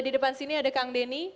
di depan sini ada kang denny